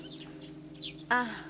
ああ。